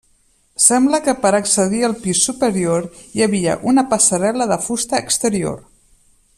Sembla que per accedir al pis superior hi havia una passarel·la de fusta exterior.